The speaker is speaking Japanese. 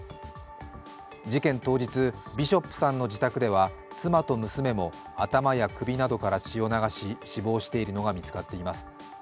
事件当日、ビショップさんの自宅では、妻と娘も頭や首などから血を流し、死亡しているのが見つかっています。